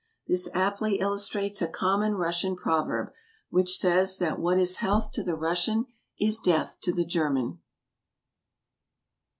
This aptly illustrates a common Russian proverb, which says that what is health to the Russian is death to the German.